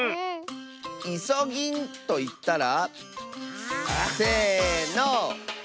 「いそぎん」といったら？せの！